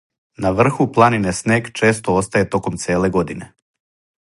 На врху планине снег често остаје током целе године.